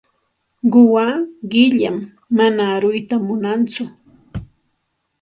Quwaa qilam, manam aruyta munantsu.